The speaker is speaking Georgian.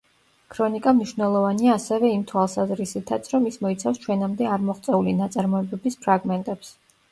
ქრონიკა მნიშვნელოვანია ასევე იმ თვალსაზრისითაც რომ ის მოიცავს ჩვენამდე არ მოღწეული ნაწარმოებების ფრაგმენტებს.